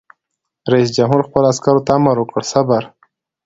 رئیس جمهور خپلو عسکرو ته امر وکړ؛ صبر!